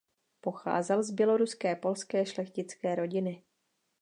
Pocházel z běloruské polské šlechtické rodiny.